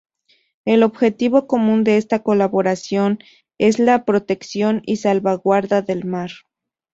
El objetivo común de esta colaboración es la protección y salvaguarda del mar.